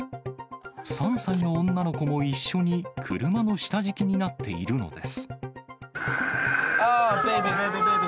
３歳の女の子も一緒に車の下敷きになっているのです。